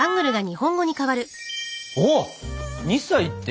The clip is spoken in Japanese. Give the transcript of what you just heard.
おっ「二歳」って？